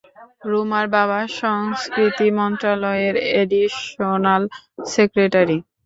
রুমার বাবা সংস্কৃতি মন্ত্রণালয়ের এডিশনাল সেক্রেটারি।